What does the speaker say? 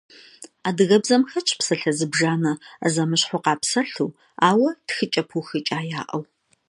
Адыгэбзэм хэтщ псалъэ зыбжанэ, зэмыщхьу къапсэлъу, ауэ тхыкӏэ пыухыкӏа яӏэу.